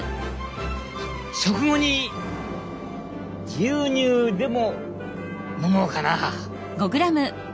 食後に牛乳でも飲もうかな！